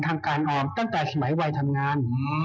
ทางการออมตั้งแต่สมัยวัยทำงาน